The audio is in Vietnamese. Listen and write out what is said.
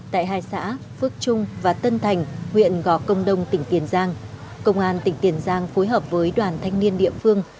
tại hai xã phước trung và tân thành huyện gò công đông tỉnh tiền giang công an tỉnh tiền giang phối hợp với đoàn thanh niên địa phương